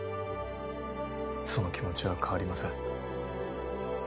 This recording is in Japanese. その気持ちは変わりません。